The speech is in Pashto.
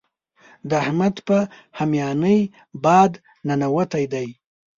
د احمد په هميانۍ باد ننوتی دی.